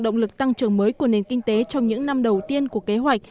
động lực tăng trưởng mới của nền kinh tế trong những năm đầu tiên của kế hoạch